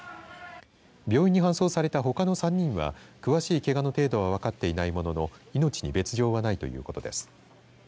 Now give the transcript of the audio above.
病院に搬送されたほかの３人は詳しいけがの程度は分かっていないものの命に別状ないということです。